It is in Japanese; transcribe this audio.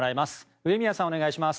上宮さんお願いします。